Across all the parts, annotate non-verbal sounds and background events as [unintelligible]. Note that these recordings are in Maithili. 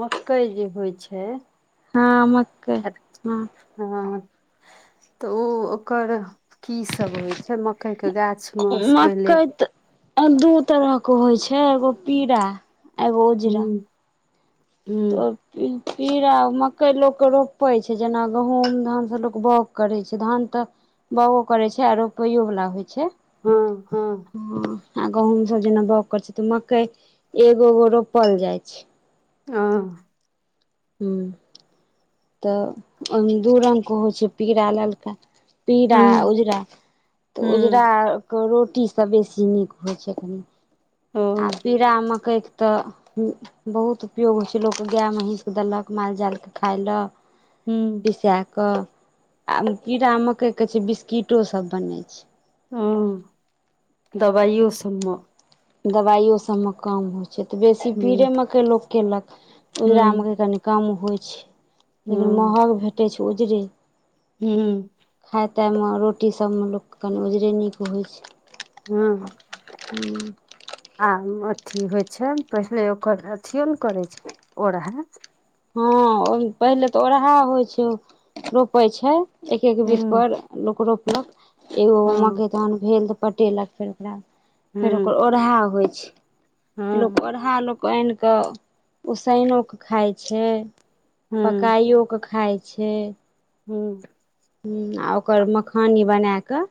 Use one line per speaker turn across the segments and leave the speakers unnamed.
मकई जे होइ छै
हँ मक्कइ
एत-
हँ।
हँ तऽ ओ - ओकर की सब होइ छै मकई के गाछ मे से पहिले
मकई तऽ दू तरह के होइ छै एगो पीरा आ एगो उजरा।
हुँ
ओ।
हुँ
खीरा आ कइ लोक रोपै छै जेना गहुम धानसभ लोक बाओग करै छै, धान तऽ बाओगो करै छै आ रोपैयो वला होइ छै।
हँ हँ।
आ गहूंम सब जेना बाउग करै छै तऽ मकई एगो एगो रोपल जाइ छै।
हं।
ह तऽ ओहिमे दू रंग के होइ छै पीरा ललका। पीरा
हुँ
उजरा तऽ
हुँ
उजराके रोटीसँ बेसी नीक होइ छै कनी।
ओ
आ पीरा मकइ तऽ बहुत उपयोग होइ छै लोकके गााय महीसके देलक मालजालके खाइ ले
हुँ
पिसा कऽ। आ पीरा मकई के छै बिस्किटो सब बनै छै।
हँ, दबाइयो सब मे।
दवाइयो सब मे काम होइ छै तऽ बेसी पीरे
हुँ
मकइ लोक केलक उजरा
हुँ
मे कनि कम होइ छै लेकिन महग भेटै छै उजरे।
हुं।
खाय तायमे रोटी सबमे लोकके कनि उजरे नीक होइ छै।
हँ।
हूं।
आ अथि होइ छै पहिले ओकर अथियो ने करै छै, ओरहा।
हँ ओ पहिले तऽ ओरहा होइ छै, रोपे छै एक एक बीत
हुँ
पर लोक रोपलक, एगो
हँ
मकइ तखन भेल तऽ पटेलक फेर ओकरा। फेर ओकर
हुँ
ओढ़हा होइ छै,
हँ
लोक ओढ़हा लोक आनि कऽ उसैनो के खाइ छै।
हुँ
पकाइओ कऽ खाइ छै।
हू।
हं आ ओकर मखानी बना कऽ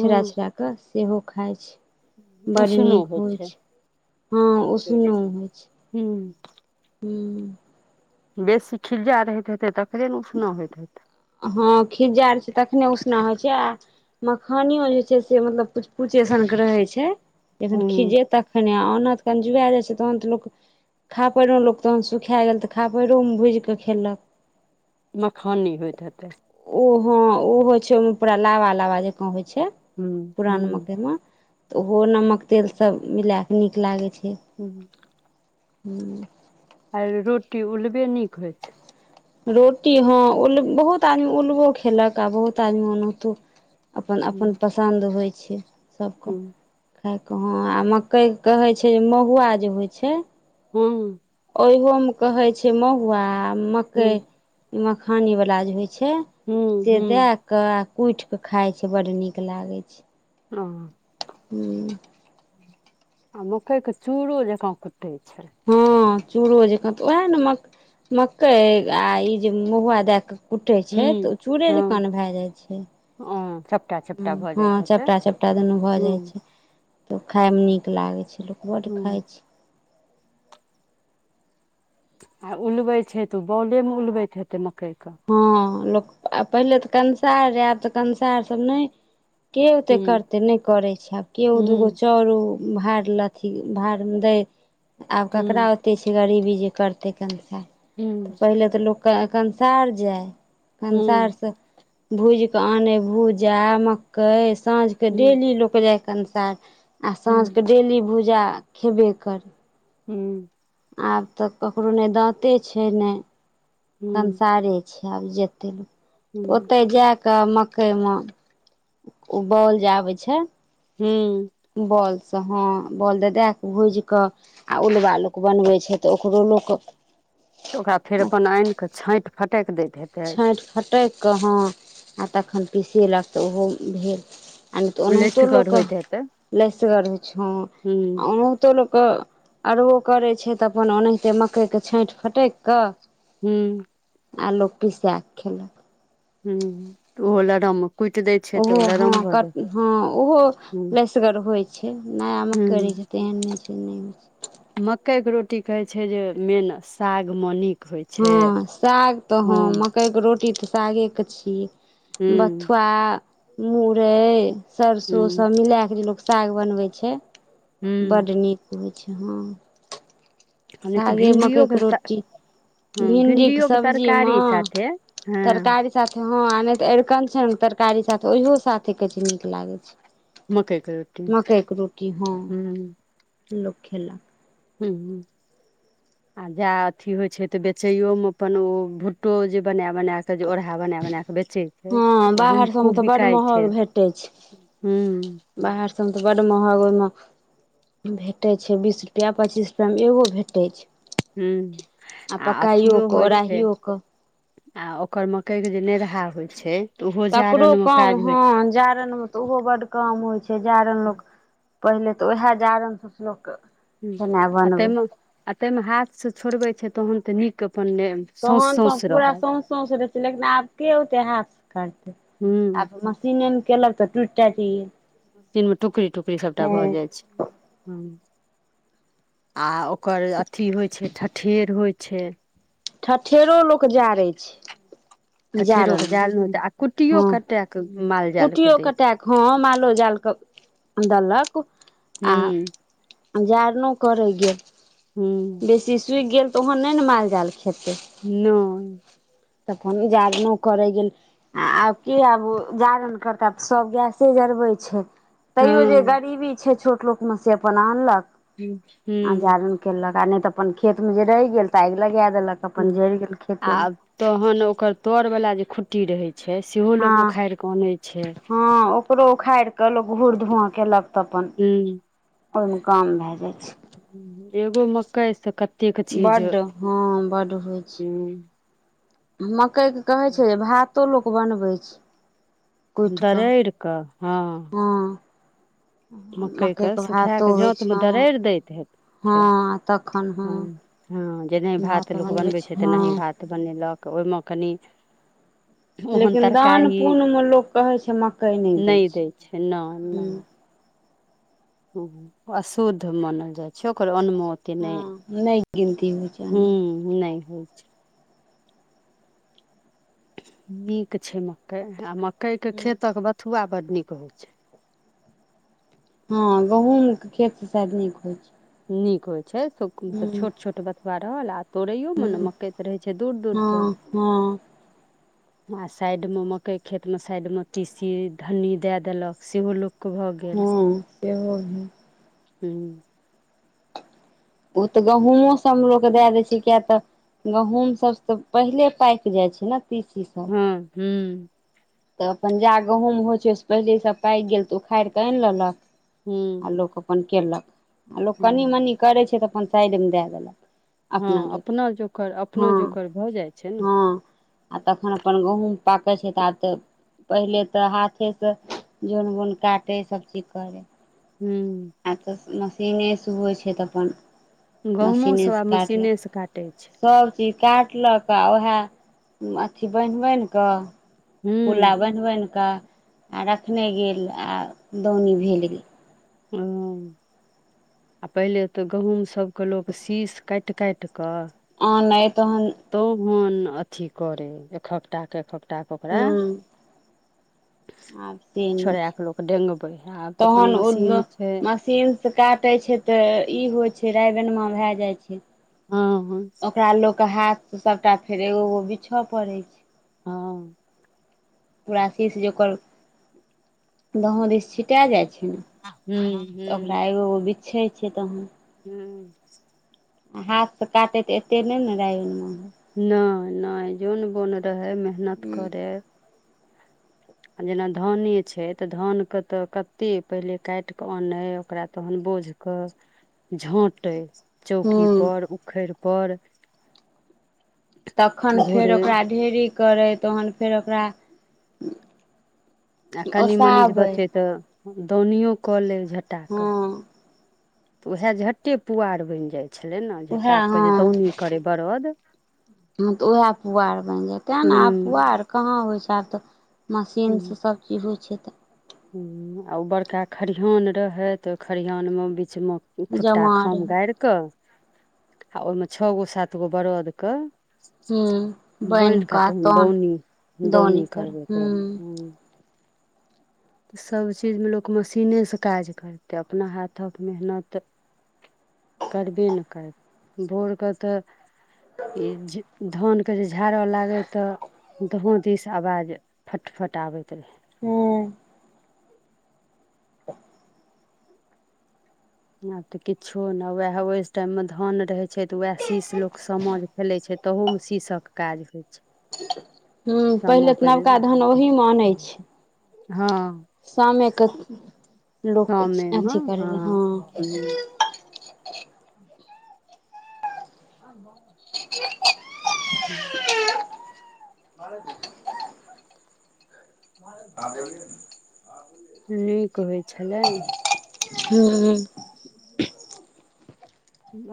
छोड़ा छोड़ा कऽ सेहो खाइत छै। बड नीक होइ छै, हँ
से
उसनो
बेसी
होइ छै।
हूँ
हू।
बेसी खिलजा रहैत हेतै तकरे ने उसना होइत हेतै।
हँ खिज्जा रहै छै तखने उसना होइ छै आ मखानियो जे छै से मतलब कुछ कुछ एसन के रहे छै जखन
हूँ
खीजे तखन आनत, जखन जुआए जाइ छै तहन तऽ लोक खापैरो लोक तखन सुखा गेल तऽ खापरियोमे भुजि कऽ खेलक।
मखानी होइत हेतै।
ओहोँ ओ होइ छै ओहिमे पूरा लावा लाबा जँकाँ होइ छै
हूँ हूँ
पुरान मकइमे। तऽ ओहो नमक तेलसभ मिला कऽ नीक लागै छै।
हुं।
हुं।
आर रोटी उलबे नीक होय छै।
रोटी हँ उल बहुत आदमी उलबो खेलक आ बहुत आदमी ओनाहितो। अपन
हूँ
अपन पसन्द होइ छै सभके।
हूँ
खाइके हँ आ मकइके कहै छै जे महुआ जे होइ छै
हूं
ओहोमे कहै छै महुआ,
हूँ
मकई मखानीवला जे होइ छै
हूँ
से दए।
हूँ
क कुटिकऽ खाइ छै बड्ड नीक लागै छै।
ह।
हू।
आ मकई के चूड़ो जकाँ कुटै छै।
हँ चूड़ो जक, उएह ने म मकई आ ई जे महुआ दए कऽ। कुटै छै तऽ
हूँ
ओ चूड़े जका भए जाइ छै।
ओ।
हँ चपटा चपटा दुनू भऽ
हूँ
जाइ छै। तऽ खायमे नीक लागै छलो, बड्ड खाइ
हूँ
छी।
आ उलबै छै, तऽ ओ बौले मे उलबै हेतै मकई क।
हँ लोक आ पहिले तऽ कंसार रहै, आब तऽ कंसार सब नहि। के ओते
हूँ
करते नहि करे छै आब, केओ दूगो
हूँ
चारू। भार लथी, भारमे दै, आब ककरा
हूँ
ओते छै गरीबी जे करतै कनि।
हूँ
तऽ
हूँ
पहिले तऽ लोक क कंसार जाइ कंसारसँ भुजिकऽ आनै भूजा मकई साँझके
हूँ
डेली लोक जाइके कंसार आ
हूँ
साँझके डेली भूजा खेबे कर।
ह्म्म
आब तऽ ककरो नै दाँते छै नै।
हूं
कंसारे छै आब जेते ल
हूं
ओते जा कऽ मक् मकई मे ओ बॉल जे आबै छै?
ह्म्म
बॉल से हँ बॉल द दए क भूज कऽ आ उलबा लोक बनबै छै तऽ ओकरो लोक
तऽ ओकरा फेर अपन आन कऽ छाँइट फटैक दैत हेते।
छाँट फटैक कऽ हँ आ तखन पिसेलक तऽ ओहो भेल। आ नै तऽ ओनाहितो
लसिगर
लोक
होइत हेतै
क लसगर होय छो
हूं
ओ कतो लोकके अरबो करै छै तऽ अपन ओनाहिते मकइके छाँइट फटैक कऽ
हुम्म
आ लोक पिसा के खेलक।
हू ओहो लरम कुट दैत।
ओहो हँ क हँ ओहो
हूं
लइसगर होइ छै नयामे
हूं
करैत छै। केहन नहि छै नहि नहि छै।
मकई के रोटी कहै छै, जे मेन साग म निक
हँ साग तऽ ह कई के रोटी तऽ सागेके छी
हूं
बथुआ मुरइ सरिसो
हूं
सब मिलाकऽ जे लोक साग बनबै छै
हूं
बड्ड नीक होइ छै हँ।
आ नहि तऽ
सागे मकइके
भिंडियोके
रोटी
हँ
भिंडीे के
भिंडियोके तरकारी
सब्जीमऽ
साथे हँ
तरकारी साथे ह नहि तऽ अड़िकं के तरकारी साथे ओहियो साथे कहै छै नीक लागे छै।
मकइके रोटी
मकई के रोटी हँ
हूं
लोक खेलक।
ह्म्म आ जा अथी होय छै तऽ बेचयो मे अपन ओ भुट्टो जे बना बना कऽ के जे ओढ़ा बना बना बेचे छै
हँ
तऽ ओहो मे
बाहर सबमे
खुब
तऽ बड्ड
बिकाय छै।
महग भेटै छै।
हू।
बाहर सबमे तऽ बड महग ओहिमे। भेटै छै बीस रुपआ पच्चीस रुपआ मे एगो भेटै छै।
हूँ
आ
आ
पकाइयो
अथियो
क
होइ छै
ओराहियओ क।
आ ओकर मकइके जे नेरहा होइ छै। तऽ ओहो
तकरो
जारनमे
काम
काज होइ
हँ
छै
जारनिमे तऽ ओहो बड्ड काम होइ छै जारनि लोक। पहिले तऽ उएह जारनसँ लोक।
ह
खेनाइ
आ
बनबै
ताहिमे आ ताहिमे हाथ से छोड़बै छै तहन तऽ नीक अपन लेब।
तहन तऽ पूरा सौसौस रहै छै लेकिन आब के ओते हाथ से काज करतै
हूँ
आब मशीनें में केलक तऽ टुटि टाइट गेल।
मशीनमे टुकड़ी टुकड़ी सबटा भऽ
हूँ
जाइ छै ह्म। आ ओकर अथी होइ छै ठठेर होइ छै।
ठठेरो लोक जारै छै।
ठठेरो के
जारनि
जाल [unintelligible] आ कुट्टियो कटे के माल जाल के
कुट्टिओ
दै छै।
कटाए कऽ हँ मालो जालकेँ देलक आ।
हूँ
जारनो करै गेल
हूँ
बेसी सुखि गेल तऽ ओहो नहि ने माल जाल खेतै।
नहि। [unintelligible]
तऽ अपन जारनो करय गेल। आ आब की आब जारनि करतैथ आब तऽ सब गैसे जरबैत छै। तैयो जे
हँ
गरीबी छै छोट लोक में से अपन आनलक आ
हूँ
जारन केलक। आ नहि तऽ अपन खेतमे जे रहि गेल तऽ आगि लगा देलक।
ह
अपन जरि गेल खेतेमे
आ तहन ओकर तर वाल जे खुट्टी रहे छै सेहो लोक
हँ
उखाड़ि कऽ आनै छै।
हँ ओकरो उखाड़ि कऽ लोक घूर धुआँ केलक। तऽ अपन
हूँ
ओहिमे काम भए जाइ छै।
एगो मकइसँ कतेक चीज
बड्ड हँ
हू।
मक्कइके कहै छै जे भातो लोक बनबै छै। कुटि कऽ
दरैड़ कऽ
हँ।
मकइके सुखा
भातो
कऽ
होइ
जातमे
छै हँ
दरड़ि दैत हे छै
हँ तखन
हँ। हँ जेनाहि भात लोक बनबै छै तेनाही भात बनेलक ओहिमे कनि। ओहन
लेकिन दान
तरकारी
पुण्यमे लोक कहै छै मकइ
नहि दै छै नहि नहि।
हूँ
अशुद्ध मानल जाइ छै ओकर अनमो के नहि
हँ नहि गिनती होइ छै
ह
ओहिमे
नहि होइ। छै नीक छै मकई आ मकई के
हूँ
खेतक बथुआ बड नीक होइ छै।
हँ गहूँमके खेत से शायद नीक होइ छै।
नीक होइ छै मतलब
हूँ
[unintelligible] छोट छोट बथुआ रहल आ। तोड़ैयो मे ने
हूँ
मकैत रहै छै दूर दूर पर।
हँ हँ
आ साइडमे मकइ खेतमे साइडमे तीसी धन्नी दए देलक सेहो लोक भऽ गेल
हँ सेहो भेल
हूं।
ओ तऽ गहुंमोसब मे लोक दए दै छै किए तऽ। गहूंम सब त पहिले पाकि जाय छै ने तीसी सब
हँ हूँ।
तऽ अपन जा गहूंम होइ छै पहिलेसँ पाकि गेल तऽ उखाड़ि कऽ आनि लेलक। आ
हुँ
लोक अपन केलक आ लोक
हुँ
कनि मनि करैय छैय तऽ अपन साइडमे दए देलक।
हँ अपना जोकर, अपना
हँ
जोकर भ जाइ छैय ने।
हँ आ तखन अपन गहूँम पाकैय छैय त आब त पहिले त हाथेसँ जोन बोन काटै सभचीज करय।
हू।
आब त मशीनेसँ होइ छैय त अपन
गहुॅंमो सब आब मशीनेसँ काटैय छैय।
सबचीज काटलक आ ओएह अथी बान्हि बान्हि कऽ पुला
हूँ
बान्हि -बान्हि कऽ आ रखने गेल आ दौनी भेल गेल।
ह। आ पहिले तऽ गहुँमसभके लोक शीश काटि-काटि कऽ
आनै तहन
तोहन अथी करे एकहकटा के एकहकटा। के ओकरा
हू। आब से नहि
छोड़ा कऽ लोक डेंगबै आब
छैय
तऽ अपन
तहन उ
मशीन छै
मशीन से काटैय छैय त इ होइ छैय राय बेनमा भए जाइ छैय।
हँ-हँ।
तैं ल के हाथ से सबटा फेर एगोगो बिछए पड़े छैय।
हूँ
पूरा सीस जे ओकर दहो दिस छिटा जाइ छैय ने तऽ ओकरा
हूँ
एगोगो बिछैय छैय तहन।
हू।
आ हाथसँ काटैय त एते नय ने राइन बेनमा म
नय-नय जोन-बोन रहय, मेहनत करे। आ जेना धाने छैय तऽ धान के तऽ कते पहिले काटि कऽ आनय ओकरा तहन बोझ क झाँटैय चौकी
हूँ
पर, उखैड़ पर।
तखन फेर
भोरे
ओकरा ढेरी करैय तहन फेर ओकरा
आ कनी मनीजे
ओसाबै
बचय तऽ दौनियो क लैय
हँ।
तऽ उएह झट्टे पुआर बनि जाइ छलै न
उएह
झट्टाके जे
हँ
दौनी करैय बरद
हँ तऽ उएह पुआर बनि जेतैय तैने आब
हूँ
पुआर कहाँ होइ छैय आब त मशीनसँ सब की होइ छैय त।
ह आ ओ बड़का खरिहान रहय तऽ ओ खरिहानमे बीचमे खुट्टा
जमा रहै
खाम गारि कऽ आ ओहिमे छ गो सात गो बरद क
हूँ बनि
बान्हि क
कऽ
तहन दौनी, दौनी
कर
करबे
हूँ
क रहै हुँ। सभचीजमे लोक मशीनेसँ काज करतै अपना हाथक मेहनत करबे ने करत, भोरके तऽ ई धानके जे झाड़ऽ लागे त दहों दिस आवाज फटफट आबैत रहैय।
हूँ। त
आब तऽ किछो ने वएह ओहि टाइममे धान रहैय छैय त उएह शीश लोक समा जे खेलै छैय तहूमे शीसक काज होइ छैय।
ह पहिले त नवका धान ओहिमे अनैय छैय।
हँ।
सामेके लोक अथी करैय ल हँ।
हू।
बर द। ह। दे। [unintelligible]
नीक होइ छलनि
हू।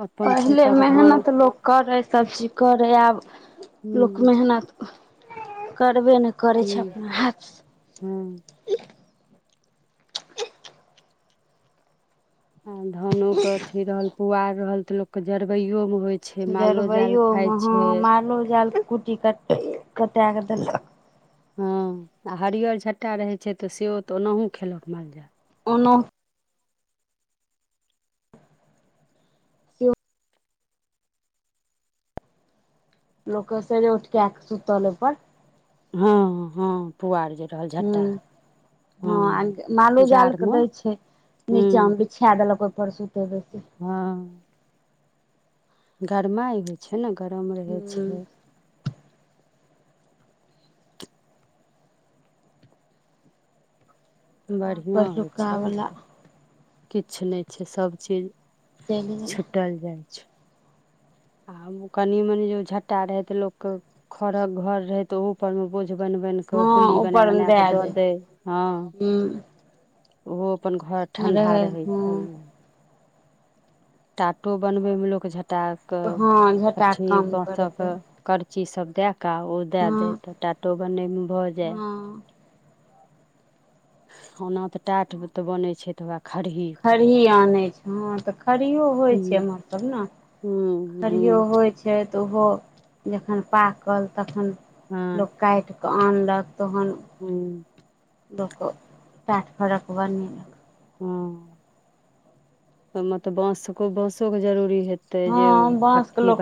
अपन
पहिले
खेतक धान
मेहनत लोक करै सभचीज करै आब
हूँ
लोक मेहनत करबे ने। करै छै।
हूँ
अपना हाथ।
हँ। आ धानो के अथी रहल पुआर रहल त लोक के जरबैयो मे।
जरबैयोमे हँ। मालो जालके कुट्टी कट कैटा कऽ देलक
हँ। आ हरियर झट्टा रहैत छै। तऽ से तऽ ओनाहु खेलक मालजाल।
ओन। सेहो लोक के सेर उठगाके आ सुतल एह
हँ। हँ। पुआर जे। रहल
ह।
झट्टा
हँ। मालो जाल के दै छै, नीचा
हूँ
मे। छा देलक ओहि परसू तऽ बेसी
हँ। गरमाइ होइ छै, ने गरम रहै।
हूँ
छै।
आ
बढ़िआँ होइ छै।
पहिलुकावला
किछु नहि। छै, सब चीज
चलि गेलै
छुटल जाइ छै। आ कनि मनी जे झट्टा रहै। तऽ लोकके खरक घर रहे। ते ह। पर में बोझ बन- बन कऽ
हँ
पुल्ली बना-
ऊपरमे
बना कऽ
दए
दऽ
दै
दे हँ।
हूँ
ओहो अपन घर ठंडा
रहै
रहैत छल।
हँ
टाटो बनबै में लोक झटा कऽ
हँ झटाक
हठी
काम
बाँ स
करबै
क। करची सब देए काऽ ओ देए
हँ
दैय तऽ टाटो बनैम भऽ जे।
हँ
ओना तऽ टाट ब त बनैय छैय त वेह खरही।
खरही आनैय छ हँ तऽ खरियो होय छै
हूँ
अमा सब न
हूँ
खरियो
हूँ
होय छै तऽ ओहो जखन पाकल तखन लोक काटि कऽ आनलक तहन
हम्म।
लो क पाठ खरक बनि
हँ ए म त बाँस को बाँसो के जरूरी हेत। से जे
हँ बाँसके
फठी
लोक
बन।